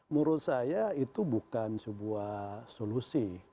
menurut saya itu bukan sebuah solusi